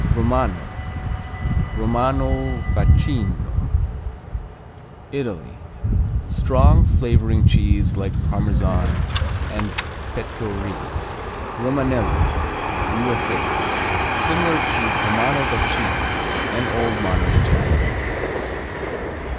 Romano, Romano Vacchino Italy Strong: flavoring cheese like Parmesan and Pecorino. Romanello U.S.A. Similar to Romano Vacchino and Old Monterey Jack.